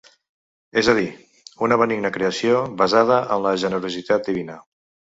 És a dir, una benigna creació basada en la generositat divina.